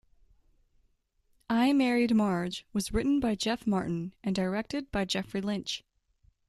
"I Married Marge" was written by Jeff Martin and directed by Jeffrey Lynch.